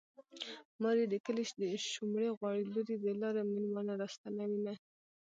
مور يې د کلي شومړې غواړي لور يې د لارې مېلمانه راستنوينه